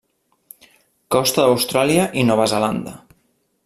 Costa d'Austràlia i Nova Zelanda.